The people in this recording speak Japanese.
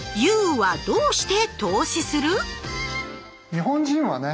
日本人はね